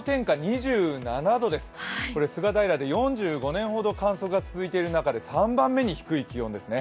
菅平で４５年ほど観測が続いている中で３番目に低い気温ですね。